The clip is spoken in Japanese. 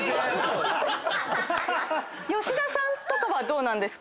吉田さんとかはどうなんですか？